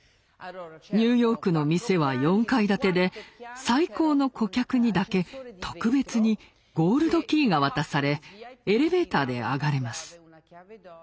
ニューヨークの店は４階建てで最高の顧客にだけ特別にゴールドキーが渡されエレベーターで上がれます。